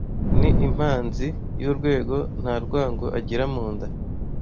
Ni impanzi y’urwego Nta rwango agira mu nda